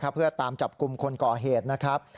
เพื่อตามจับกลุ่มคนก่อเหตุนะครับ